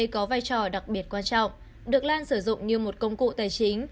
có vai trò đặc biệt quan trọng được lan sử dụng như một công cụ tài chính